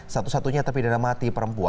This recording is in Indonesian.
satu satunya terpidana mati perempuan